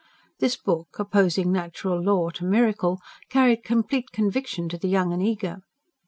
This book, opposing natural law to miracle, carried complete conviction to the young and eager.